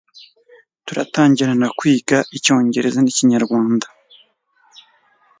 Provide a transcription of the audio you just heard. Tekereza abakwumva Wemeze guhyiramo amahuho